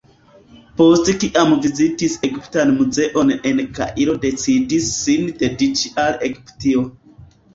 Post kiam vizitis Egiptan muzeon en Kairo decidis sin dediĉi al Egiptio.